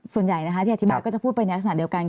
ส่วนใหญ่ที่อธิบายจะพูดปริญญาสนัดเดียวกัน